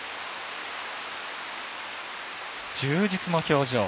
充実の表情。